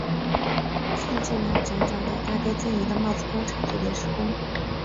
蔡振南辗转到大哥经营的帽子工厂做临时工。